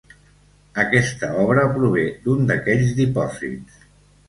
Aquesta obra prové d'un d'aquells dipòsits.